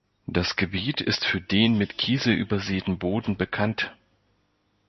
Das Gebiet ist für den mit Kiesel übersäten Boden bekannt.